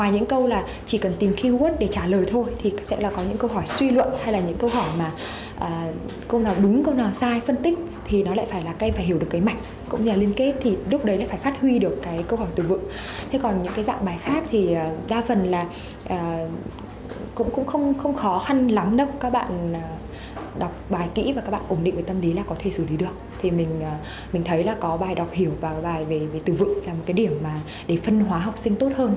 thế là có bài đọc hiểu và bài về từ vựng là một cái điểm để phân hóa học sinh tốt hơn so với cái điểm năm ngoái